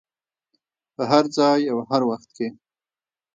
په هر ځای او هر وخت کې.